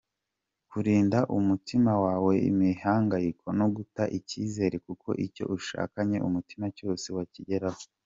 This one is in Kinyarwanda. Kurinda umutima wawe imihangayiko no guta icyizere kuko icyo ushakanye umutima cyose wakigeraho.